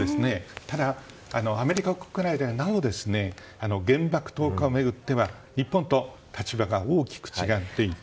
ただ、アメリカ国内ではなお原爆投下を巡っては日本と立場が大きく違っていて。